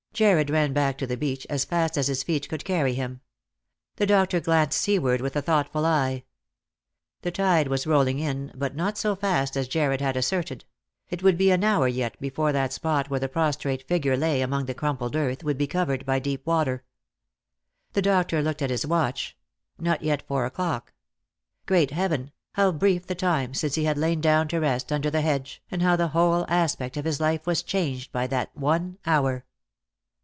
Jarred ran back to the beach as fast as his feet could carry him. The doctor glanced seaward with a thoughtful eye. The tide was rolling in, but not so fast as Jarred had asserted ; it would be an hour yet before that spot where the prostrate figure lay among the crumbled earth would be covered by deep water. The doctor looked at his watch — not yet four o'clock. Great heaven, how brief the time since he had lain down to rest under the hedge, and how the whole aspect of his life was changed by that one hour